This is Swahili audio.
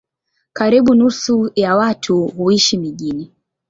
Karibu nusu ya watu huishi mijini.